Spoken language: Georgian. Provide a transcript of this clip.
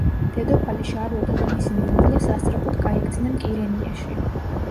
დედოფალი შარლოტა და მისი მეუღლე სასწრაფოდ გაიქცნენ კირენიაში.